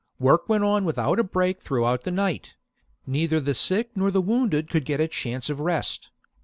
Work went on without a break throughout the night : neither the sick nor the wounded could get a chance of rest.